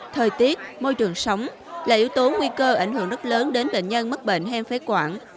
thời tiết môi trường sống là yếu tố nguy cơ ảnh hưởng rất lớn đến bệnh nhân mắc bệnh hen phế quản